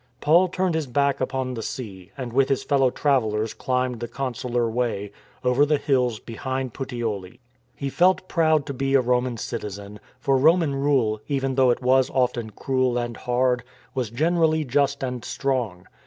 Paul turned his back upon the sea, and with his fellow travellers climbed the Consular Way, over the hills behind Puteoli. He felt proud to be a Roman citizen; for Roman rule, even though it was often cruel and hard, was generally just and strong.